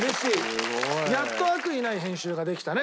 すごい。やっと悪意ない編集ができたね